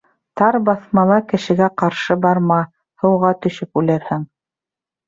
Тар баҫмала кешегә ҡаршы барма; һыуға төшөп үлерһең.